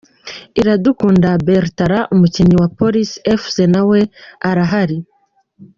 Iradukunda Bertrand umukinnyi wa Police Fc nawe arahari.